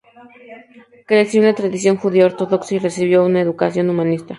Creció en la tradición judía ortodoxa y recibió una educación humanista.